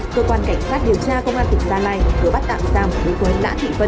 cơ quan cảnh sát điều tra công an thịnh sa lai cửa bắt tạm giam đối với lã thị vân